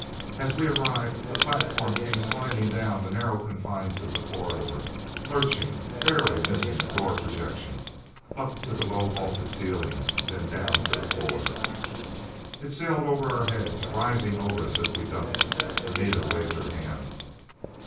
As we arrived, the platform came sliding down the narrow confines of the corridor, lurching, barely missing a door projection. Up to the low vaulted ceiling, then down to the floor. It sailed over our heads, rising over us as we ducked. Anita waved her hand.